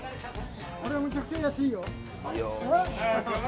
これめちゃくちゃ安いよ。